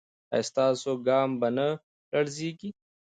ایا ستاسو ګام به نه لړزیږي؟